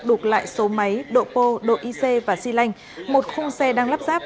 đục lại số máy độ pô độ y xe và xi lanh một khung xe đang lắp ráp